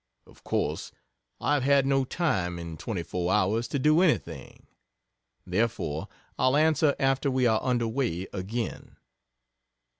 Of course I have had no time, in 24 hours, to do anything. Therefore I'll answer after we are under way again.